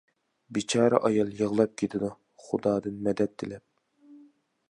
بىچارە ئايال يىغلاپ كېتىدۇ، خۇدادىن مەدەت تىلەپ.